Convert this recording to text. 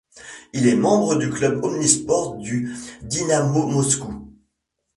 Il est membre du club omnisports du Dinamo Moscou.